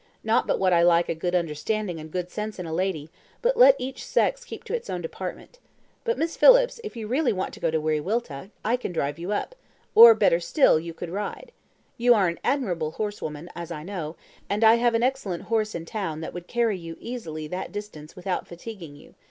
Not but what I like a good understanding and good sense in a lady, but let each sex keep to its own department. But, Miss Phillips, if you really want to go to Wiriwilta, I can drive you up or, better still, you could ride. You are an admirable horsewoman, as I know, and I have an excellent horse in town that would carry you easily that distance without fatiguing you.